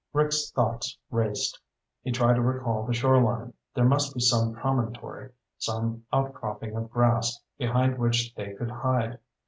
Rick's thoughts raced. He tried to recall the shoreline. There must be some promontory, some outcropping of grass, behind which they could hide.